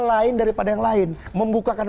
lain daripada yang lain membukakan